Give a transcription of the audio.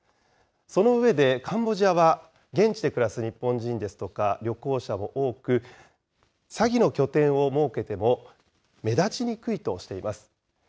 その上でカンボジアは、現地で暮らす日本人ですとか、旅行者も多く、詐欺の拠点を設けても目立ちにくいとしています。